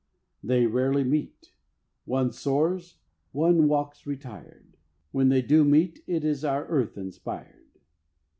They rarely meet; one soars, one walks retired. When they do meet, it is our earth inspired.